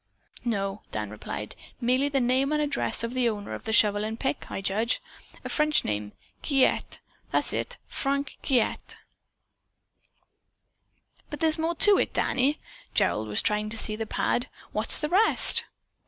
"No," Dan replied, "merely the name and address of the owner of the shovel and pick, I judge. A French name, Giguette. Yes, that is it, Franc Giguette." "But there is more to it, Danny." Gerald was trying to see the pad. "What's the rest?"